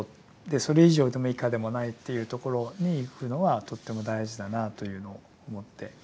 それ以上でも以下でもないというところにいくのはとっても大事だなというのを思って。